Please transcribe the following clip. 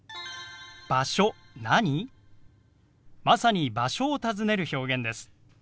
まさに場所を尋ねる表現です。